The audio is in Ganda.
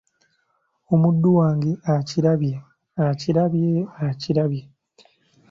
Omuddu wange akirabye, akirabye, akirabye !